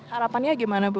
harapannya bagaimana ibu